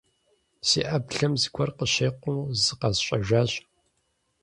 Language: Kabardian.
Си Ӏэблэм зыгуэр къыщекъум, зыкъэсщӀэжащ.